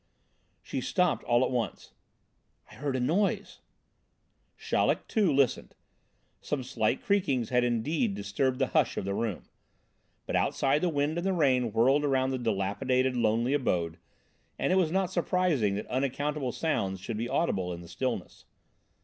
She stopped all at once "I heard a noise." Chaleck, too, listened. Some slight creakings had, indeed, disturbed the hush of the room. But outside the wind and the rain whirled around the dilapidated, lonely abode, and it was not surprising that unaccountable sounds should be audible in the stillness.